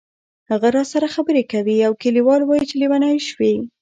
هغه راسره خبرې کوي او کلیوال وایي چې لیونی شوې.